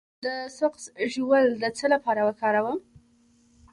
د سقز ژوول د څه لپاره وکاروم؟